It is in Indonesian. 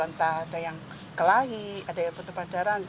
entah ada yang kelahi ada yang bertepadaran